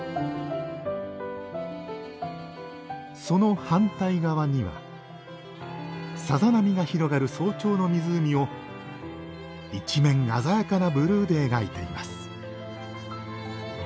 その反対側にはさざ波が広がる早朝の湖を一面鮮やかなブルーで描いています。